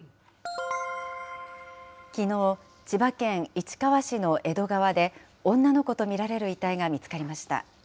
きのう、千葉県市川市の江戸川で、女の子と見られる遺体が見つかりました。